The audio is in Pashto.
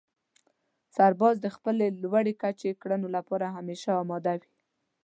سرباز د خپلې لوړې کچې کړنو لپاره همېشه اماده وي.